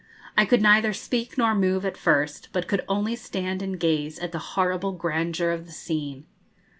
I could neither speak nor move at first, but could only stand and gaze at the horrible grandeur of the scene.